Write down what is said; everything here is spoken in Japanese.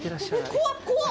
怖っ怖っ！